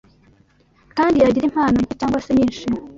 kandi yagira impano nke cyangwa se nyinshi